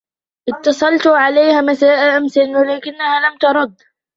إتصلتُ عليها مساء أمس ولكنها لم تَرُد.